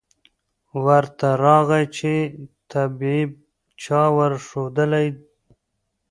ورته راغی چي طبیب چا ورښودلی